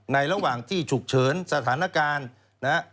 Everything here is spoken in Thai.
ในระหว่างที่ฉุกเฉินสถานการณ์